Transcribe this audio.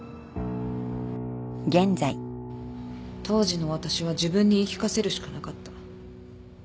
当時の私は自分に言い聞かせるしかなかった。